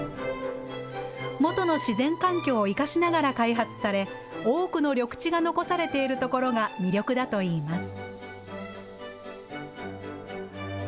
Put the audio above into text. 元の自然環境を生かしながら開発され、多くの緑地が残されているところが魅力だといいます。